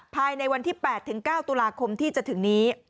ภายในวันที่๘๙ตุลาคมที่จะถึงนี้